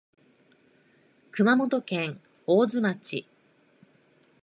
熊本県大津町